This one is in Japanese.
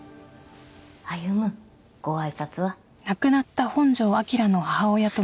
歩ご挨拶は。